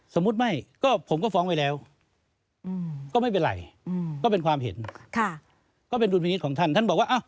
สมมติสนมมติยังไงต่อค่ะ